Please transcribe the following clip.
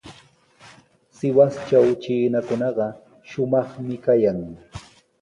Sihuastraw chiinakunaqa shumaqmi kayan.